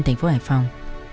thành phố hải phòng